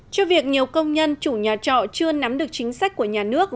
cho việc nhiều công nhân chủ nhà trọ chưa nắm được chính sách của nhà nước